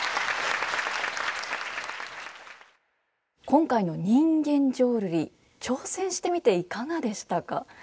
今回の人間浄瑠璃挑戦してみていかがでしたか？